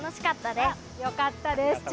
よかったです。